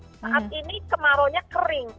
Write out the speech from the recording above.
saat ini kemarau nya kering